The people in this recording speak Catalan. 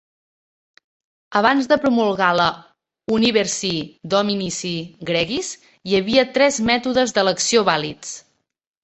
Abans de promulgar la "Universi Dominici gregis", hi havia tres mètodes d"elecció vàlids.